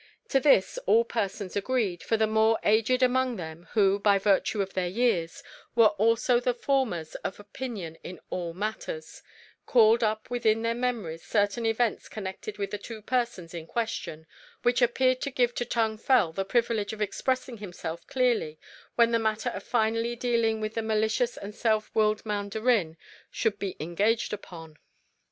To this all persons agreed, for the more aged among them, who, by virtue of their years, were also the formers of opinion in all matters, called up within their memories certain events connected with the two persons in question which appeared to give to Tung Fel the privilege of expressing himself clearly when the matter of finally dealing with the malicious and self willed Mandarin should be engaged upon.